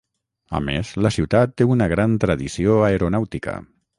A més, la ciutat té una gran tradició aeronàutica.